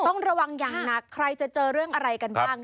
ต้องระวังอย่างหนักใครจะเจอเรื่องอะไรกันบ้าง